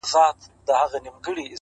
ه ياره تا زما شعر لوسته زه دي لــوســتم’